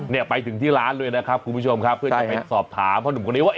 เนี่ยไปถึงที่ร้านเลยนะครับคุณผู้ชมครับเพื่อจะไปสอบถามพ่อหนุ่มคนนี้ว่า